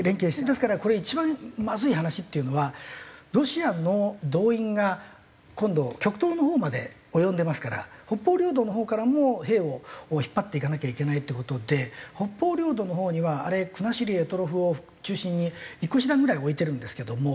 ですからこれ一番まずい話っていうのはロシアの動員が今度極東のほうまで及んでますから北方領土のほうからも兵を引っ張っていかなきゃいけないって事で北方領土のほうにはあれ国後択捉を中心に１個師団ぐらい置いてるんですけども。